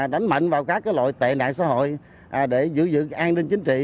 đánh mạnh vào các loại tệ nạn xã hội để giữ giữ an ninh chính trị